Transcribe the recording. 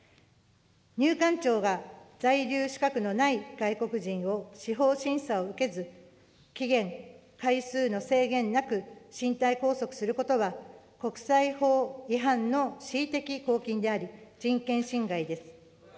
入管庁が、在留資格のない外国人を、しほうしんさをうけずわたくし、司法審査を受けず、期限・回数の制限なく、身体拘束することは、国際法違反の恣意的拘禁であり、人権侵害です。